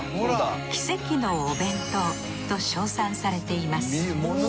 奇跡のお弁当と称賛されています。